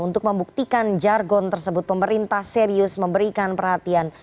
untuk membuktikan jargon tersebut pemerintah serius memberikan perhatian